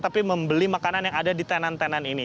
tapi membeli makanan yang ada di tenan tenan ini